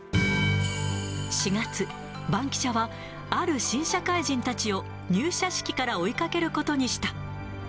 ４月、バンキシャはある新社会人たちを入社式から追いかけることにした。